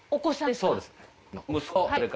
そうですか。